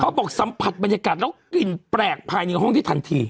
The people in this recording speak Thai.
บอกสัมผัสบรรยากาศแล้วกลิ่นแปลกภายในห้องที่ทันที